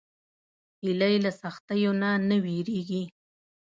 هیلۍ له سختیو نه نه وېرېږي